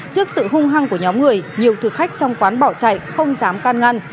trước sự hung hăng của nhóm người nhiều thực khách trong quán bỏ chạy không dám can ngăn